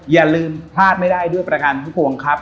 อย่าลืมพลาดไม่ได้ด้วยประกันทุกภวงครับ